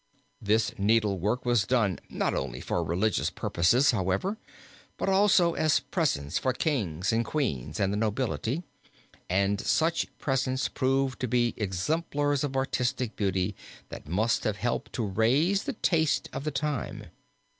This needlework was done not only for religious purposes, however, but also as presents for Kings and Queens and the nobility, and such presents proved to be exemplars of artistic beauty that must have helped to raise the taste of the time.